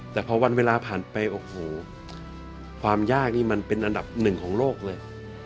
แต่พอวันเวลาผ่านไปโอ้โหความยากนี่มันเป็นอันดับหนึ่งของโลกเลย